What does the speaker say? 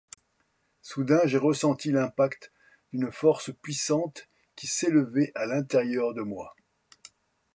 Soudain, j'ai ressenti l'impact d'une force puissante qui s'élevait à l'intérieur de moi.